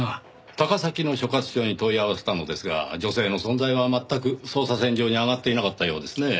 高崎の所轄署に問い合わせたのですが女性の存在は全く捜査線上に上がっていなかったようですねぇ。